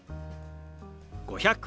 「５００」。